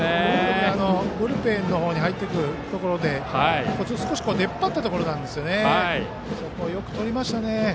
ブルペンの方に入っていくところで少し出っ張ったところなんですがよくとりましたね。